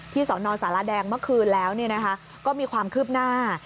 ที่สอนอนสาระแดงเมื่อคืนแล้วเนี่ยนะคะก็มีความคืบหน้า